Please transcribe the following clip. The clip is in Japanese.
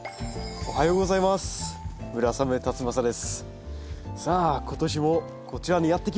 おはようございます。